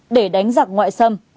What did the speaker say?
để đánh giặc ngoại xâm